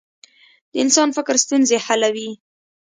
د انسان فکر ستونزې حلوي.